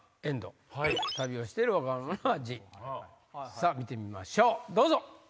さぁ見てみましょうどうぞ。